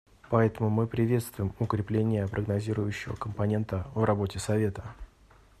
Поэтому мы приветствуем укрепление прогнозирующего компонента в работе Совета.